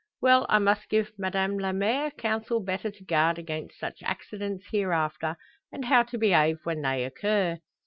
Well, I must give Madame la mere counsel better to guard against such accidents hereafter; and how to behave when they occur."